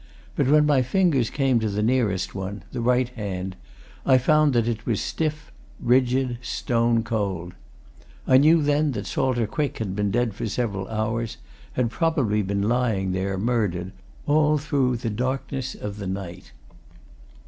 But when my fingers came to the nearest one the right hand I found that it was stiff, rigid, stone cold. I knew then that Salter Quick had been dead for several hours; had probably been lying there, murdered, all through the darkness of the night.